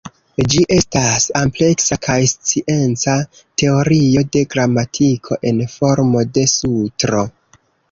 Ĝi estas ampleksa kaj scienca teorio de gramatiko en formo de sutro.